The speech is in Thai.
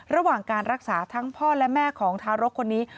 ระหว่างการรักษาทั้งพ่อและแม่ของทารกคนนี้